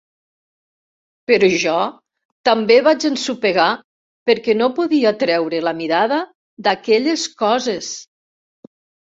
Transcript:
Però jo també vaig ensopegar perquè no podia treure la mirada d'aquelles coses.